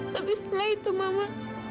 tapi setelah itu mama